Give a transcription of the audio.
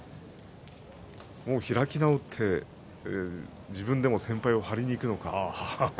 もう開き直って自分でも先輩を張りにいくのか。